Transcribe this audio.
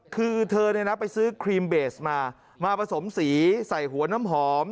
คือเธอไปซื้อครีมเบสมามาผสมสีใส่หัวน้ำหอม